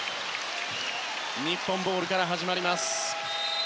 日本ボールから始まります。